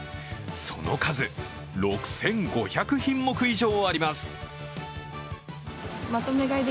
その数６５００品目以上あります。